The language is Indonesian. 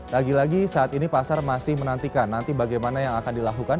lagi lagi saat ini pasar masih menantikan nanti bagaimana yang akan dilakukan